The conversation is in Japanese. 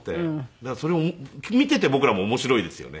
だからそれ見ていて僕らも面白いですよね